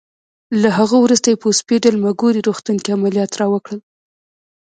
له هغه وروسته یې په اوسپیډل مګوري روغتون کې عملیات راوکړل.